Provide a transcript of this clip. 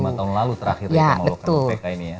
dua puluh lima tahun lalu terakhir kita melakukan